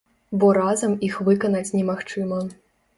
Бо разам іх выканаць немагчыма.